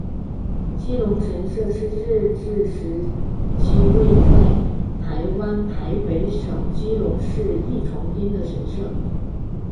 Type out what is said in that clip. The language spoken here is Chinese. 基隆神社是日治时期位在台湾台北州基隆市义重町的神社。